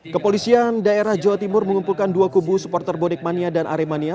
kepolisian daerah jawa timur mengumpulkan dua kubu supporter bonek mania dan aremania